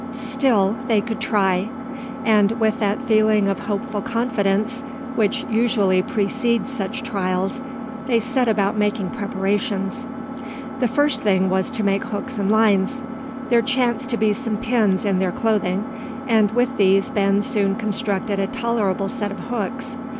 Still they could try; and with that feeling of hopeful confidence which usually precedes such trials, they set about making preparations. The first thing was to make hooks and lines. There chanced to be some pins in their clothing; and with these Ben soon constructed a tolerable set of hooks.